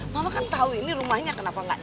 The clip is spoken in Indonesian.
mama kan tau ini rumahnya kenapa gak